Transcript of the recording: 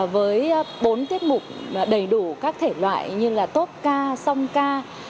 với bốn tiết mục đầy đủ các thể loại như là tốt ca song ca